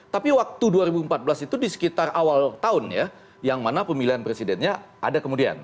tapi waktu dua ribu empat belas itu di sekitar awal tahun ya yang mana pemilihan presidennya ada kemudian